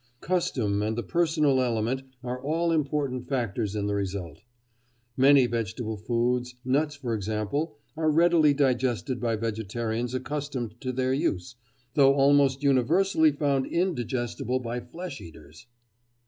Custom and the personal element are all important factors in the result. Many vegetable foods, nuts for example, are readily digested by vegetarians accustomed to their use, though almost universally found indigestible by flesh eaters.